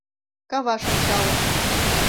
Каваш ончалыт.